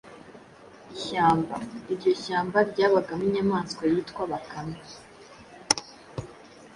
ishyamba. Iryo shyamba ryabagamo inyamaswa yitwa Bakame,